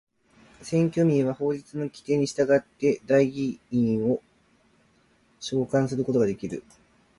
選挙民は法律の規定に従って代議員を召還することができる。